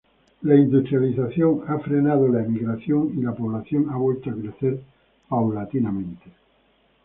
La industrialización ha frenado la emigración y la población ha vuelto a crecer paulatinamente.